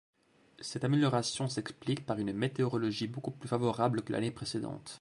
Cette amélioration s’explique par une météorologie beaucoup plus favorable que l'année précédente.